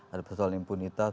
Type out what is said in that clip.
ada persoalan impunitas